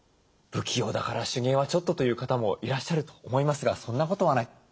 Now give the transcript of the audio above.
「不器用だから手芸はちょっと」という方もいらっしゃると思いますがそんなことはない。